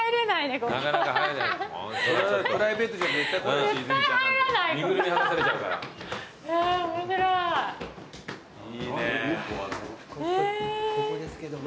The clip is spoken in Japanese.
ここですけども。